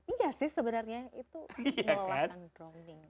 iya sih sebenarnya itu melelahkan